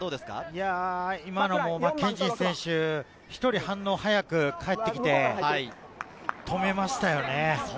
今のもマッケンジー選手、１人反応速く帰ってきて、止めましたよね。